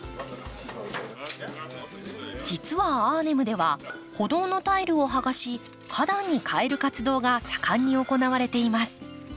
実はアーネムでは歩道のタイルを剥がし花壇に替える活動が盛んに行われています。